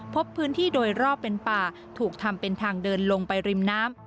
พบพื้นที่โดยรอบเป็นป่าถูกทำเป็นทางเดินลงไปริมน้ำ